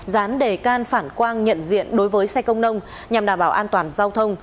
dán đề can phản quang nhận diện đối với xe công nông nhằm đảm bảo an toàn giao thông